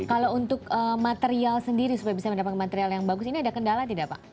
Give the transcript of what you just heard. kalau untuk material sendiri supaya bisa mendapatkan material yang bagus ini ada kendala tidak pak